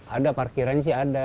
ada parkirannya sih ada